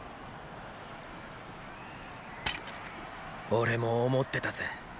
俺も思ってたぜ。